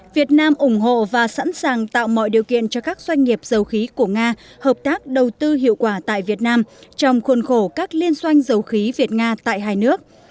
việt nam ủng hộ và sẵn sàng tạo mọi điều kiện cho các doanh nghiệp dầu khí của nga hợp tác đầu tư hiệu quả tại việt nam trong khuôn khổ các liên doanh dầu khí việt nga tại hai nước